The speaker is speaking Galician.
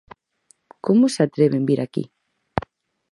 ¿Como se atreven vir aquí?